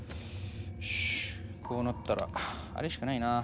よしこうなったらあれしかないな。